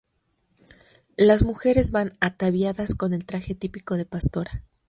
Las mujeres van ataviadas con el traje típico de pastora.